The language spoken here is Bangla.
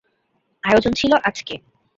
আয়োজন ছিলো আজকে।